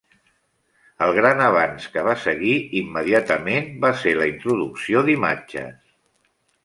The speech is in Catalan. El gran avanç que va seguir immediatament va ser la introducció d'imatges.